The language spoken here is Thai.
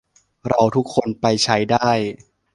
เราทุกคนไปใช้ได้